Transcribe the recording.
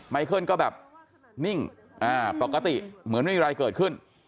เคิลก็แบบนิ่งปกติเหมือนไม่มีอะไรเกิดขึ้น